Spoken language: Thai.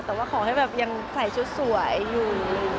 แต่ว่าขอให้แบบยังใส่ชุดสวยอยู่